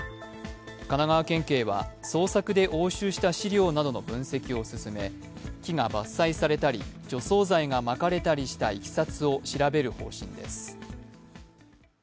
神奈川県警は捜索で押収した資料などの分析を進め木が伐採されたり除草剤がまかれたりしたいきさつを調べる方針です。